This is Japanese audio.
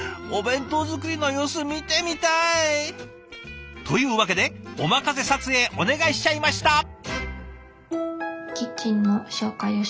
お弁当作りの様子見てみたい！というわけでおまかせ撮影お願いしちゃいました。